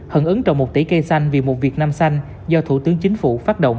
hận ứng trồng một tỷ cây xanh vì một việt nam xanh do thủ tướng chính phủ phát động